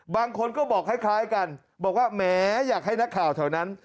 บางคนก็บอกคล้ายกันบอกว่าแหมอยากให้นักข่าวแถวนั้น